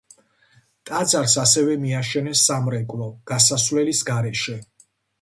ტაძარს ასევე მიაშენეს სამრეკლო გასასვლელის გარეშე.